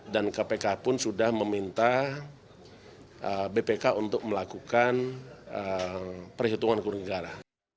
dan kpk pun sudah meminta bpk untuk melakukan perhitungan kerugian negara